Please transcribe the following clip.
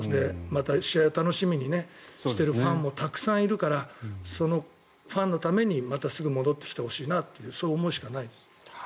また、試合を楽しみにしているファンもたくさんいるからそのファンのためにまたすぐ戻ってきてほしいなとそういう思いしかないです。